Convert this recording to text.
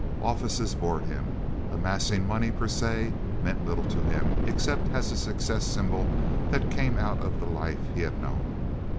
Offices bored him. Amassing money, per se, meant little to him, except as a success symbol that came out of the life he had known.